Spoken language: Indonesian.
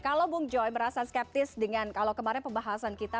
kalau bung joy merasa skeptis dengan kalau kemarin pembahasan kita